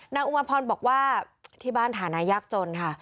อุมาพรบอกว่าที่บ้านฐานะยากจนค่ะ